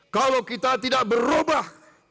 kalau kita tidak berubah